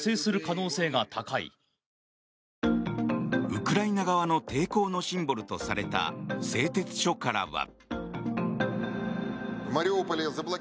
ウクライナ側の抵抗のシンボルとされた製鉄所からは。